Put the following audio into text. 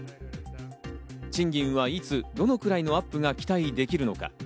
賃金は、いつどのくらいのアップが期待できるのか。